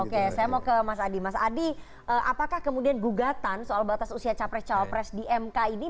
oke saya mau ke mas adi mas adi apakah kemudian gugatan soal batas usia capres cawapres di mk ini